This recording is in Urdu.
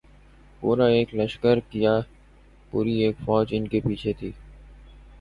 پورا ایک لشکر کیا‘ پوری ایک فوج ان کے پیچھے تھی۔